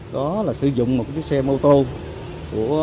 đó là sử dụng một chiếc xe mô tô của anh hiếu này